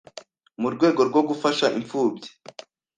mu rwego rwo gufasha imfubyi